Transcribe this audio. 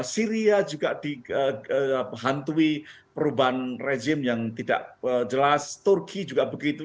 syria juga dihantui perubahan rejim yang tidak jelas turki juga begitu